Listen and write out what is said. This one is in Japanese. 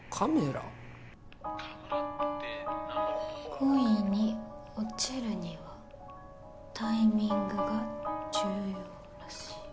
「恋に落ちるにはタイミングが重要らしい。